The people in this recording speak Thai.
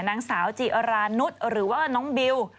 นางสาวจิรานุษย์หรือว่าน้องบิว